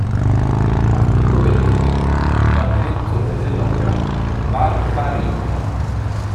Arturo Bellini, già Direttore dell'Opera Barbarigo.